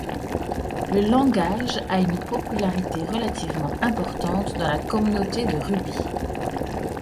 Le langage a une popularité relativement importante dans la communauté de Ruby.